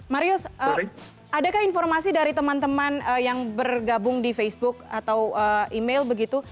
marius adakah informasi dari teman teman yang bergabung di facebook atau email begitu